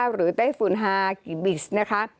หรือไต้ฝุ่น๕กิบิตรนะคะ